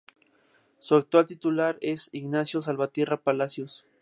Su actual titular es Ignacio Salvatierra Palacios.